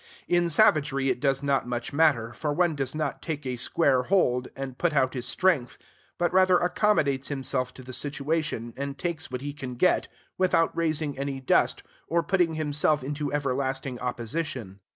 In savagery, it does not much matter; for one does not take a square hold, and put out his strength, but rather accommodates himself to the situation, and takes what he can get, without raising any dust, or putting himself into everlasting opposition.